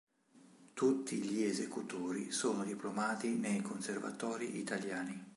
Tutti gli esecutori sono diplomati nei conservatori italiani.